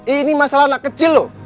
ini masalah anak kecil loh